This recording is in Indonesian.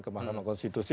ke mahkamah konstitusi